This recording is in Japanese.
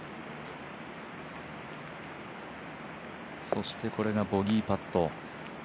そしてこれがボギーパット。